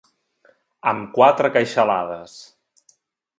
Amb quatre queixalades.